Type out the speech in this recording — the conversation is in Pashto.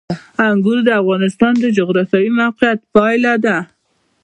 انګور د افغانستان د جغرافیایي موقیعت پایله ده.